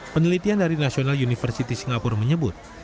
penelitian dari national university singapura menyebut